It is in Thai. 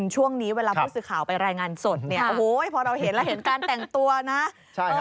ช่วงนี้เวลาผู้สื่อข่าวไปรายงานสดเนี่ยโอ้โหพอเราเห็นแล้วเห็นการแต่งตัวนะ